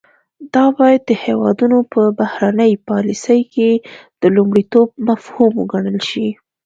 دا باید د هیوادونو په بهرنۍ پالیسۍ کې د لومړیتوب مفهوم وګڼل شي